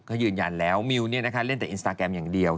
เขายืนยันแล้วมิวเล่นแต่อินสตาแกรมอย่างเดียว